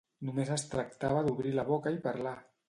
Només es tractava d'obrir la boca i parlar!